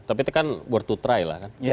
tapi itu kan board to try lah kan